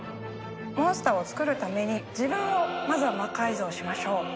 モンスターを作るために自分をまずは魔改造しましょう。